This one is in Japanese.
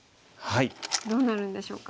どうなるんでしょうか。